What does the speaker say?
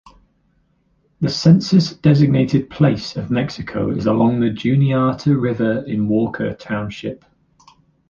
The census-designated place of Mexico is along the Juniata River in Walker Township.